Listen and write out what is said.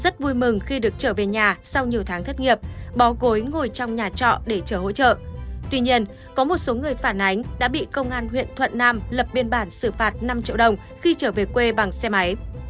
tuy nhiên có một số người phản ánh đã bị công an huyện thuận nam lập biên bản xử phạt năm triệu đồng khi trở về quê bằng xe máy